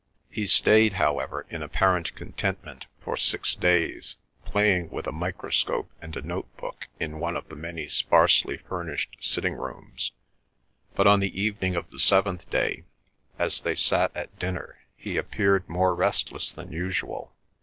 He stayed, however, in apparent contentment for six days, playing with a microscope and a notebook in one of the many sparsely furnished sitting rooms, but on the evening of the seventh day, as they sat at dinner, he appeared more restless than usual.